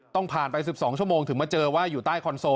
ต้องผ่านไป๑๒ชั่วโมงถึงมาเจอว่าอยู่ใต้คอนโซล